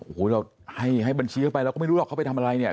หูยเราให้บัญชีเข้าไปไม่รู้หรอกเขาไปทำไรเนี่ย